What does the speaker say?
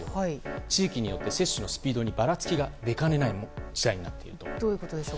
地域によって接種のスピードにばらつきが出かねないということになっていると。